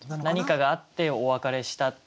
何かがあってお別れした。